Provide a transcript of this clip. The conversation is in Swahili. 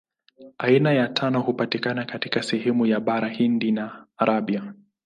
Aina ya tano hupatikana katika sehemu ya Bara Hindi na Arabia.